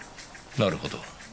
なるほど。